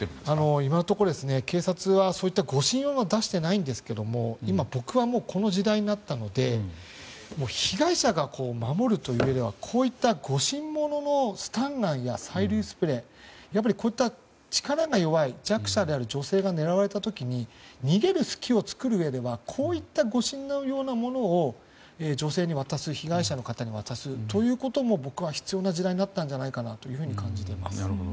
今のところ警察は、そういった護身用は出していないんですが今、僕はこの時代になったので被害者が守るというよりはこういった護身もののスタンガンや催涙スプレーこういった力が弱い弱者である女性が狙われた時に逃げる隙を作るうえではこういった護身用のものを女性に渡す被害者の方に渡すということも僕は必要な時代になったんじゃないかと感じています。